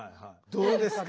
どうですか？